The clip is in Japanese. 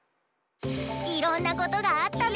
いろんなことがあったね。